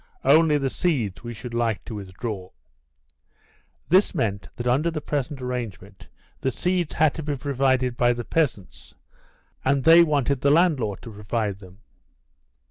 Only the seeds we should like to withdraw." This meant that under the present arrangement the seeds had to be provided by the peasants, and they wanted the landlord to provide them.